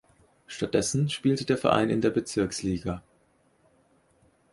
Stattdessen spielte der Verein in der Bezirksliga.